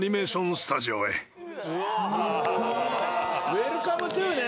ウエルカムトゥね。